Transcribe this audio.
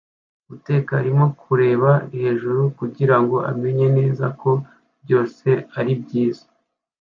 Uteka arimo kureba hejuru kugirango amenye neza ko byose ari byiza